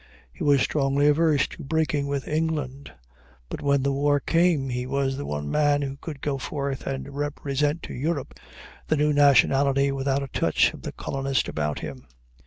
He was strongly averse to breaking with England; but when the war came he was the one man who could go forth and represent to Europe the new nationality without a touch of the colonist about him.